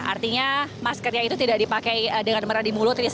artinya maskernya itu tidak dipakai dengan merah di mulut riz